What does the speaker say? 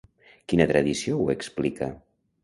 Quina tradició ho explica?